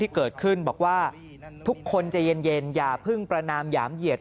เกิดขึ้นบอกว่าทุกคนใจเย็นอย่าเพิ่งประนามหยามเหยียด